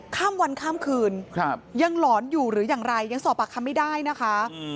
ข้ามวันข้ามคืนยังหลอนอยู่หรืออย่างไรยังสอบปากคำไม่ได้นะคะ